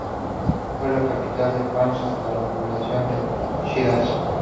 Fue la capital de Fars hasta la fundación de Shiraz.